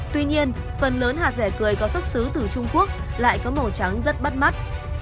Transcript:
tuy nhiên phần lớn hạt rẻ cười có xuất xứ từ trung quốc lại có màu trắng rất bắt mắt